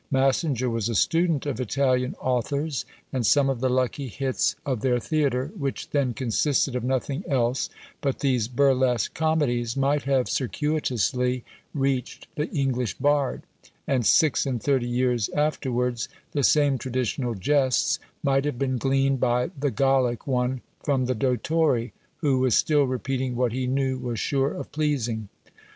Massinger was a student of Italian authors; and some of the lucky hits of their theatre, which then consisted of nothing else but these burlesque comedies, might have circuitously reached the English bard; and six and thirty years afterwards, the same traditional jests might have been gleaned by the Gallic one from the "Dottore," who was still repeating what he knew was sure of pleasing.